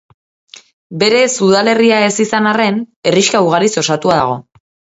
Berez udalerria ez izan arren, herrixka ugariz osatua dago.